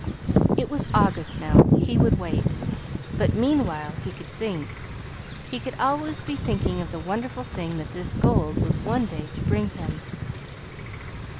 It was August now; he would wait. But meanwhile he could think he could always be thinking of the wonderful thing that this gold was one day to bring to him.